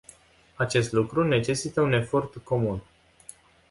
Acest lucru necesită un efort comun.